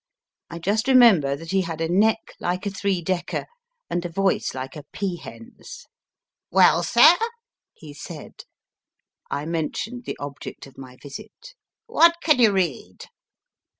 I just remember that he had a neck like a three decker, and a voice like a peahen s. Well, sir ? he said. I mentioned the object of my visit. What can you read